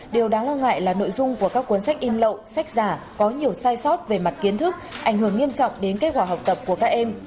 điều đáng lo ngại là nội dung của các cuốn sách in lậu sách giả có nhiều sai sót về mặt kiến thức ảnh hưởng nghiêm trọng đến kết quả học tập của các em